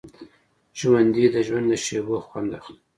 ژوندي د ژوند له شېبو خوند اخلي